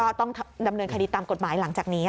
ก็ต้องดำเนินคดีตามกฎหมายหลังจากนี้